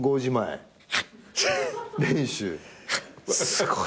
すごい。